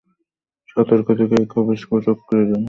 সতর্ক থেকো, এই খবীস কুচক্রী যেন গাদ্দারী করতে না পারে।